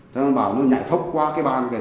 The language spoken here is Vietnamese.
thế con bảo nó nhảy phốc qua cái bàn kìa